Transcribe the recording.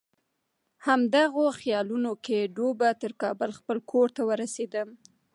همدغو خیالونو کې ډوبه تر کابل خپل کور ته ورسېدم.